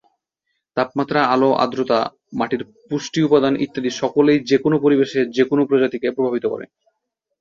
তাপমাত্রা, আলো, আর্দ্রতা, মাটির পুষ্টি উপাদান ইত্যাদি সকলেই যেকোনো পরিবেশে যেকোনো প্রজাতিকে প্রভাবিত করে।